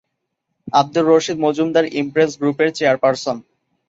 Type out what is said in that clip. Abdur Rashid Majumdar Impress গ্রুপের chairperson.